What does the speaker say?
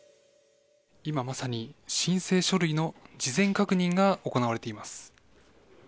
今、まさに申請書類の事前確認が行われています。